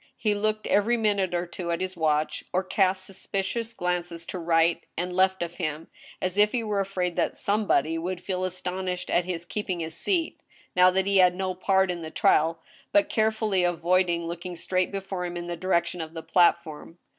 He looked every minute or two at his watch, or cast suspicious glances to right and left of him, as if he were afraid that somebody would feel aston ished at his keeping his seat, now that he had no more part in the trial, but carefully avoiding looking straight before him in the direc tion of the platform.